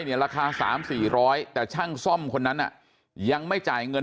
ราคา๓๔๐๐แต่ช่างซ่อมคนนั้นยังไม่จ่ายเงิน